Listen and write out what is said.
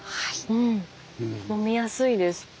うん飲みやすいです。